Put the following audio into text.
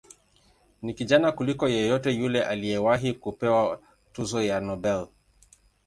Ni kijana kuliko yeyote yule aliyewahi kupewa tuzo ya Nobel.